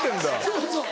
そうそう。